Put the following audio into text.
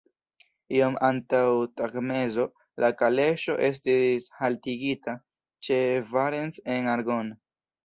Iom antaŭ tagmezo la kaleŝo estis haltigita ĉe Varennes-en-Argonne.